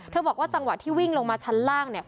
เธอบอกว่าจังหวะที่วิ่งลงมาชั้นล่างเนี่ย